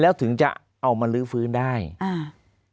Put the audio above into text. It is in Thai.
แล้วถึงจะเอามาลื้อฟื้นได้อ่า